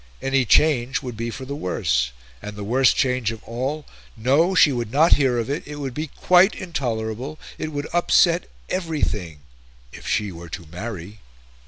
Any change would be for the worse; and the worst change of all... no, she would not hear of it; it would be quite intolerable, it would upset everything, if she were to marry.